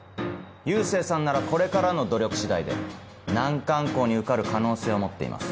佑星さんならこれからの努力次第で難関校に受かる可能性を持っています。